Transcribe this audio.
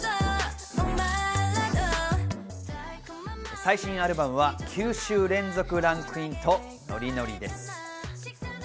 最新アルバムは９週連続ランクインとノリノリです。